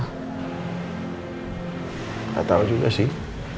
gak tau juga sih